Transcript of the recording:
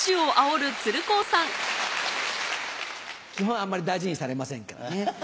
基本あんまり大事にされませんからね。